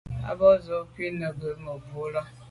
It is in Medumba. À be z’o kô neghù wut mebwô là.